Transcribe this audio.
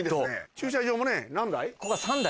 駐車場もね何台？